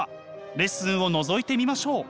レッスンをのぞいてみましょう。